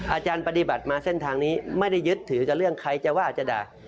อาจารย์ปฏิบัติมาเส้นทางนี้ไม่ได้ยึดถือจะเรื่องใครจะว่าจะด่า